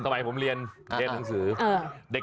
ทำไมท่านเล่นเป็นเข้าในศาล